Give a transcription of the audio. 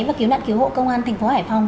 và cứu nạn cứu hộ công an tp hải phòng